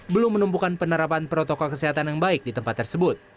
belum menemukan penerapan protokol kesehatan yang baik di tempat tersebut